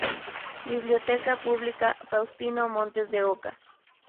B"iblioteca Pública Faustino Montes de Oca".